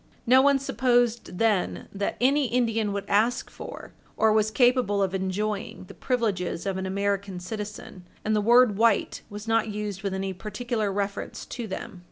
No one supposed then that any Indian would ask for, or was capable of enjoying, the privileges of an American citizen, and the word white was not used with any particular reference to them.